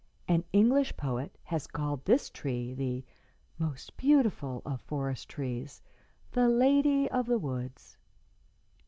An English poet has called this tree the "'most beautiful Of forest trees, the lady of the woods.'"